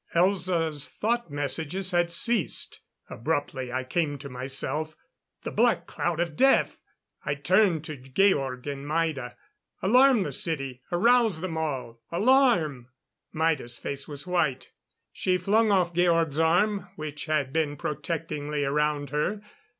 Elza's thought messages had ceased. Abruptly I came to myself. "The Black Cloud of Death!" I turned to Georg and Maida. "Alarm the city! Arouse them all! Alarm " Maida's face was white: she flung off Georg's arm which had been protectingly around her.